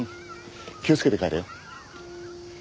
気をつけて帰れよ。